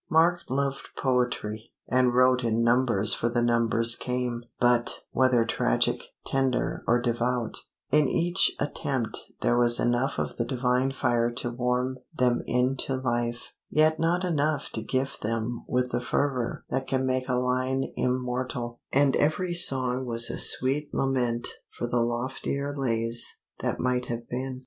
Mark loved poetry, and "wrote in numbers for the numbers came;" but, whether tragic, tender, or devout, in each attempt there was enough of the divine fire to warm them into life, yet not enough to gift them with the fervor that can make a line immortal, and every song was a sweet lament for the loftier lays that might have been.